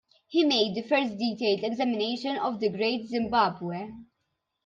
He made the first detailed examination of the Great Zimbabwe.